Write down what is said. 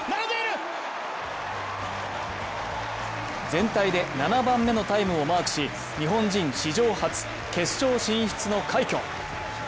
全体で７番目のタイムをマークし日本人史上初、決勝進出の快挙。